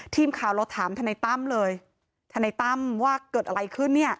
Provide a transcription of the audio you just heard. ทีมข่าวเราถามทนายตั้มเลยทนายตั้มว่าเกิดอะไรขึ้นเนี่ย